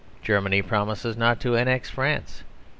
Germany promises not to annex France.